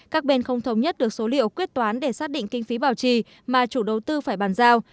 các bên không thống nhất được số liệu quyết toán để xác định kinh phí bảo trì mà chủ đầu tư phải bàn giao